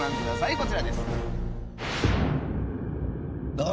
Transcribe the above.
こちらです。